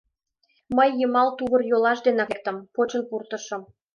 Мый йымал тувыр-йолаш денак лектым, почын пуртышым.